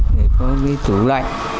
có cái tủ lạnh